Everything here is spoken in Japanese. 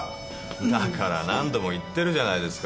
だから何度も言ってるじゃないですか。